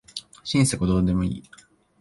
心底どうでもいい